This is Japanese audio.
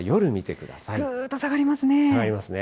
ぐーっと下がりますね。